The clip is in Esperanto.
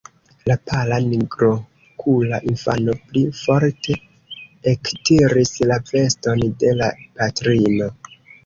La pala nigrokula infano pli forte ektiris la veston de la patrino.